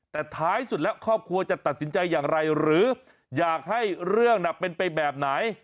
แต่ท้ายสุดแล้วครอบครัวจะตัดสินใจอย่างไรหรืออยากให้เรื่องน่ะเป็นไปแบบไหน